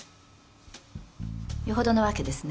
よほどのわけですね。